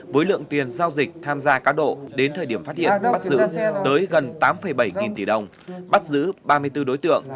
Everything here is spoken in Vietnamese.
với lượng tiền giao dịch tham gia cá độ đến thời điểm phát hiện bắt giữ tới gần tám bảy nghìn tỷ đồng bắt giữ ba mươi bốn đối tượng